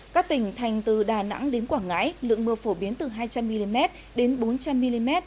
các tỉnh thành từ đà nẵng đến quảng ngãi lượng mưa phổ biến từ hai trăm linh mm đến bốn trăm linh mm